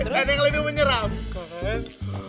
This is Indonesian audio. dan yang lebih menyeramkan